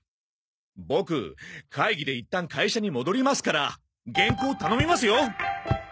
ボク会議でいったん会社に戻りますから原稿頼みますよ。